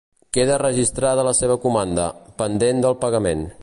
Queda registrada la seva comanda, pendent del pagament.